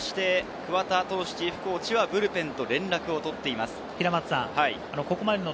桑田投手チーフコーチはブルペンと連絡を取っています。